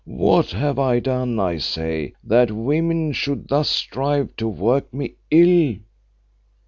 What have I done, I say, that women should thus strive to work me ill?"